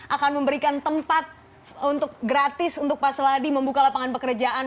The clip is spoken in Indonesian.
akan memberikan tempat untuk gratis untuk pak seladi membuka lapangan pekerjaan